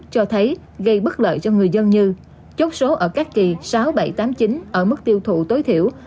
cho thấy gây bất lợi cho người dân như chốt số ở các kỳ sáu bảy tám mươi chín ở mức tiêu thụ tối thiểu